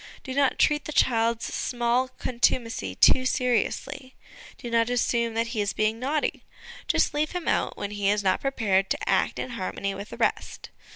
Do not treat the child's small contumacy too seriously ; do not assume that he is being naughty: just leave him out when he is not prepared to act in harmony with the rest.